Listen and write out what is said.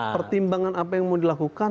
pertimbangan apa yang mau dilakukan